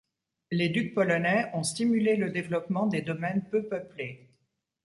Les ducs polonais ont stimulé le développement des domaines peu peuplés.